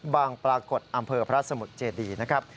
บางปรากฏอำเภอพระสมุทรเจดีนะครับ